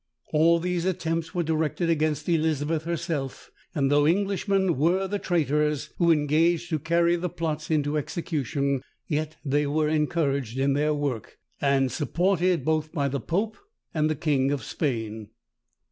All these attempts were directed against Elizabeth herself; and though Englishmen were the traitors, who engaged to carry the plots into execution, yet they were encouraged in their work, and supported both by the pope and the king of Spain.